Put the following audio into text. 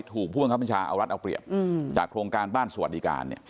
ถูกผู้บังคับบัญชาเอารัฐเอาเปรียบจากโครงการบ้านสวัสดิการ